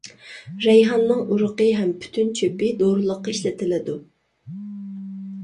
رەيھاننىڭ ئۇرۇقى ھەم پۈتۈن چۆپى دورىلىققا ئىشلىتىلىدۇ.